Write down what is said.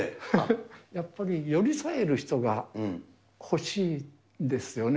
やっぱり寄り添える人が欲しいんですよね。